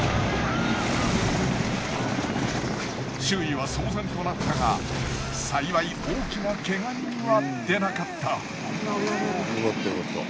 周囲は騒然となったが幸い大きなけが人は出なかった。